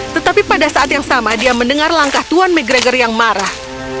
tetapi pada saat yang sama dia mendengar langkah tuan mcgregor yang marah